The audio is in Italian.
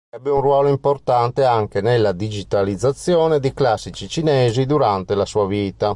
Ebbe un ruolo importante anche nella digitalizzazione di classici cinesi durante la sua vita.